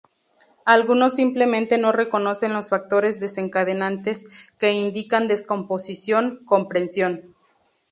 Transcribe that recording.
Algunos simplemente no reconocen los factores desencadenantes que indican descomposición comprensión.